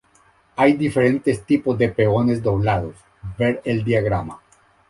Hay diferentes tipos de peones doblados, ver el diagrama.